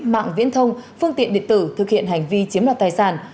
mạng viễn thông phương tiện điện tử thực hiện hành vi chiếm đoạt tài sản